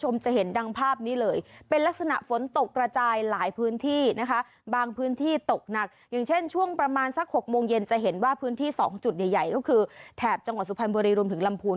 โมงเย็นจะเห็นว่าพื้นที่สองจุดใหญ่ใหญ่ก็คือแถบจังหวัดสุพรรณบริรุมถึงลำพูน